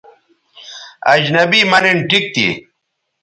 اجنبی مہ نِن ٹھیک تھی